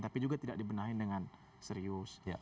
tapi juga tidak dibenahin dengan serius